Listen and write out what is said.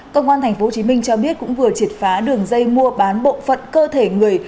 công an tp hcm cho biết cũng vừa triệt phá đường dây mua bán bộ phận cơ thể người